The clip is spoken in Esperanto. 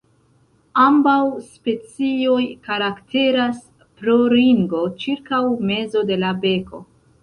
Ambaŭ specioj karakteras pro ringo cirkaŭ mezo de la beko.